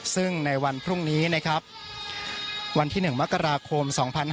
ซึ่งในวันพรุ่งนี้นะครับวันที่๑มกราคม๒๕๕๙